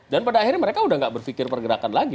dan pada akhirnya mereka enggak berpikir pergerakan lagi